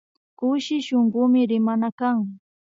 Kushi shunkumi rimana kan